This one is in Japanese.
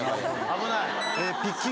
危ない。